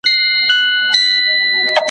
خاطرې په یاد لیکلی دی ,